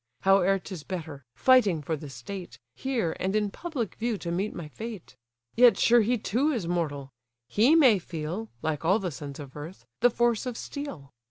Howe'er 'tis better, fighting for the state, Here, and in public view, to meet my fate. Yet sure he too is mortal; he may feel (Like all the sons of earth) the force of steel.